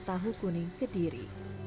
tahu kuning kediri